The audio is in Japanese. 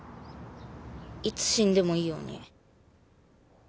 いつ死んでもいいように。